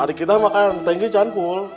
adik kita makan tangki cangkul